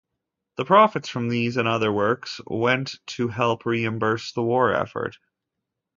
The profits from these and other works went to help reimburse the war effort.